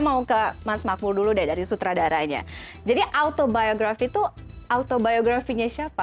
mau ke mas makmul dulu dari sutradaranya jadi autobiography itu autobiography nya siapa